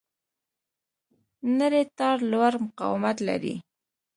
نری تار لوړ مقاومت لري.